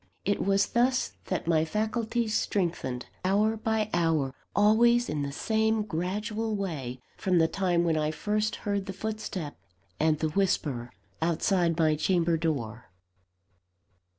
It was thus that my faculties strengthened, hour by hour, always in the same gradual way, from the time when I first heard the footstep and the whisper outside my chamber door.